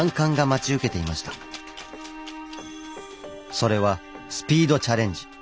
それは「スピードチャレンジ」。